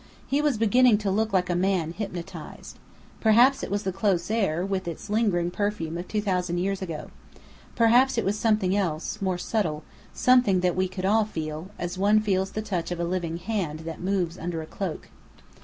He was beginning to look like a man hypnotized. Perhaps it was the close air, with its lingering perfume of two thousand years ago. Perhaps it was something else, more subtile; something else that we could all feel, as one feels the touch of a living hand that moves under a cloak.